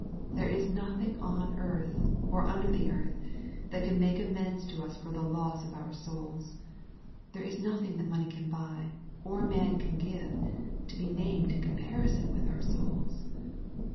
There is nothing on earth, or under the earth, that can make amends to us for the loss of our souls. There is nothing that money can buy, or man can give, to be named in comparison with our souls.